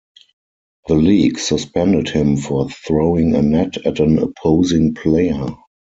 The league suspended him for throwing a net at an opposing player.